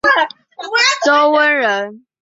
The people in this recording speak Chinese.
陶弼人。